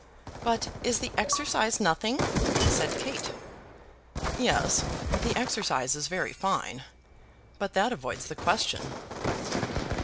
"But is the exercise nothing?" said Kate. "Yes; the exercise is very fine; but that avoids the question."